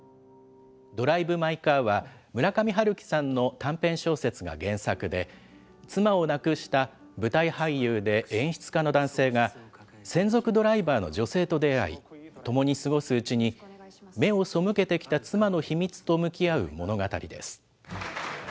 ドライブ・マイ・カーは村上春樹さんの短編小説が原作で、妻を亡くした舞台俳優で演出家の男性が、専属ドライバーの女性と出会い、共に過ごすうちに目を背けてきた妻の秘密と向き合う物語です。